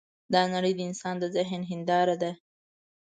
دا نړۍ د انسان د ذهن هینداره ده.